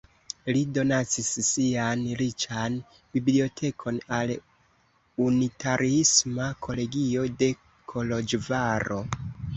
Li donacis sian riĉan bibliotekon al unitariisma kolegio de Koloĵvaro.